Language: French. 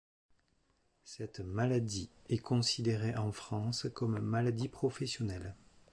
Cette maladie est considérée en France comme maladie professionnelle.